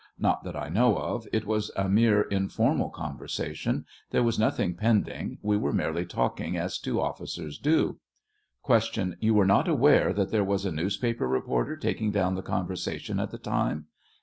Not that I know of; it was a mere informal con versation ; there was nothing pending ; we were merely talking as two oflScers do. Q. You were not aware that there was a newspaper reporter taking down the conversation at the time